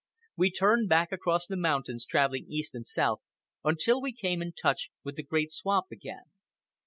We turned back across the mountains, travelling east and south, until we came in touch with the great swamp again.